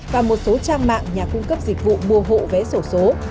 và một số trang mạng nhà cung cấp dịch vụ mua hộ vé sổ số